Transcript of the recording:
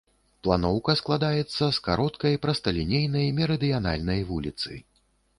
Планоўка складаецца з кароткай прасталінейнай мерыдыянальнай вуліцы.